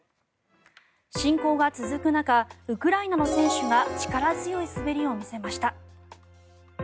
侵攻が続く中ウクライナの選手が力強い滑りを見せました。